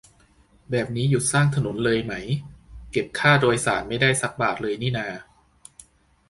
แบบนี้หยุดสร้างถนนเลยไหม เก็บค่าโดยสารไม่ได้สักบาทเลยนี่นา